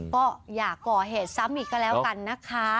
ก็อย่าก่อเหตุซ้ำอีกก็แล้วกันนะคะ